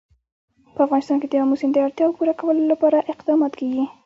په افغانستان کې د آمو سیند د اړتیاوو پوره کولو لپاره اقدامات کېږي.